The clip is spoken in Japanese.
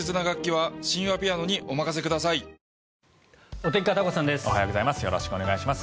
おはようございます。